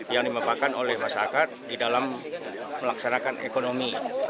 yang dimapakan oleh masyarakat di dalam melaksanakan ekonomi